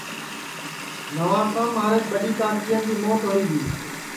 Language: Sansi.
نوابشام مھاری ٻڈؔی کاکایا کی موت ہوئی گی ہے